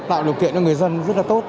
tạo điều kiện cho người dân rất là tốt